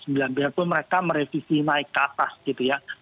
biarpun mereka merevisi naik ke atas gitu ya